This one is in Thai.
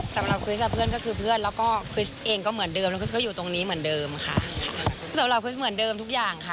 สำหรับคริสต์เหมือนเดิมทุกอย่างค่ะ